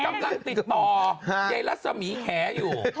ฉันกำลังติดต่อใยลักษมีแคร์อยู่